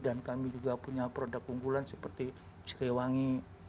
dan kami juga punya produk unggulan seperti serewangi